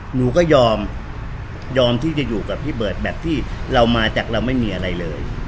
หนูก็ยอมยอมที่จะอยู่กับพี่เบิร์ตแบบที่เรามาจากเราไม่มีอะไรเลย